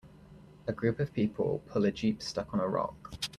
A group of people pull a jeep stuck on a rock.